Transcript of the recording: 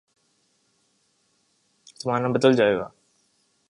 زمانہ بدل جائے گا۔